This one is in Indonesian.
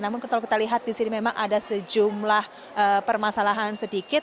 namun kalau kita lihat di sini memang ada sejumlah permasalahan sedikit